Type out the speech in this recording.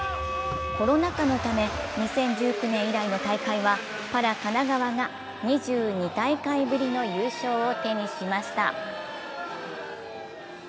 コロナ禍のため２０１９年以来の大会はパラ神奈川が２２大会ぶりの優勝を手にしました。